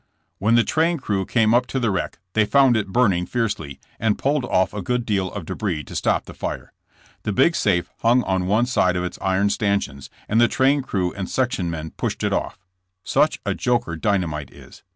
When the train crew came up to the wreck they found it burning fiercely, and pulled off a good deal of debris to stop the fire. The big safe hung on one side by its iron stanchions, and the train crew and section men pushed it off. Such a joker dynamite is